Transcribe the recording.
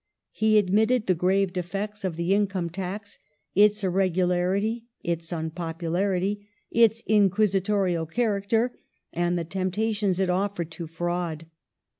He admitted the grave defects of the income tax : its irregularity ; its unpopularity ; its inquisitorial character, and the temptations it offered to fraud.